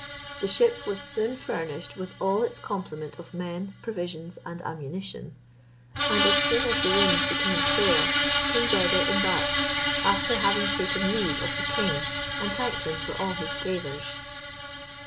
The ship was soon furnished with all its complement of men, provisions, and ammunition; and as soon as the wind became fair, King Beder embarked, after having taken leave of the king, and thanked him for all his favours.